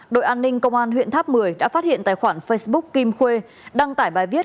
đội an ninh công an huyện tháp một mươi đã phát hiện tài khoản facebook kim khuê đăng tải bài viết